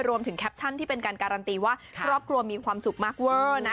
แคปชั่นที่เป็นการการันตีว่าครอบครัวมีความสุขมากเวอร์นะ